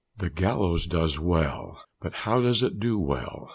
"The gallows does well: but how does it do well?